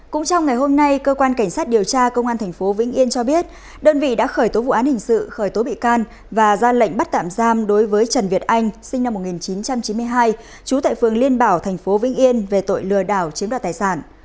cũng trong ngày hôm nay cơ quan cảnh sát điều tra công an tp vĩnh yên cho biết đơn vị đã khởi tố vụ án hình sự khởi tố bị can và ra lệnh bắt tạm giam đối với trần việt anh sinh năm một nghìn chín trăm chín mươi hai trú tại phường liên bảo tp vĩnh yên về tội lừa đảo chiếm đoạt tài sản